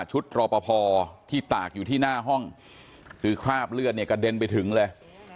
รอปภที่ตากอยู่ที่หน้าห้องคือคราบเลือดเนี่ยกระเด็นไปถึงเลย